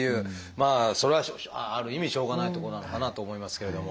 まあそれはある意味しょうがないとこなのかなと思いますけれども。